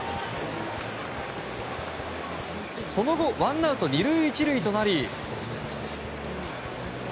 その後、ワンアウト２塁１塁となり。